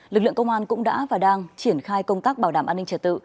lực lượng công an cũng đã và đang triển khai công tác bảo đảm an ninh trật tự